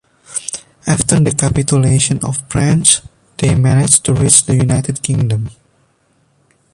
After the capitulation of France, they managed to reach the United Kingdom.